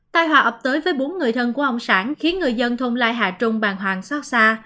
tài hòa ập tới với bốn người thân của ông sảng khiến người dân thông lai hạ trung bàn hoàng xót xa